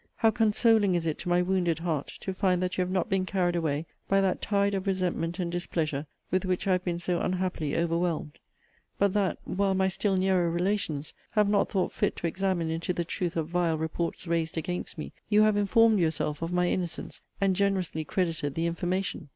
How consoling is it to my wounded heart to find that you have not been carried away by that tide of resentment and displeasure with which I have been so unhappily overwhelmed but that, while my still nearer relations have not thought fit to examine into the truth of vile reports raised against me, you have informed yourself of my innocence, and generously credited the information!